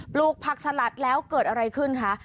ปลูกผักสลัดแล้วเกิดอะไรขึ้นคะ